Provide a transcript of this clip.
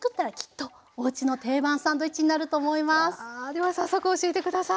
では早速教えて下さい。